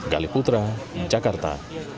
gali putra jakarta